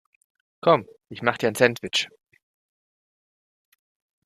Komm, ich mache dir ein Sandwich.